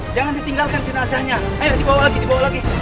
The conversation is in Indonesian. jangan ditinggalkan jenazahnya ayo dibawa lagi dibawa lagi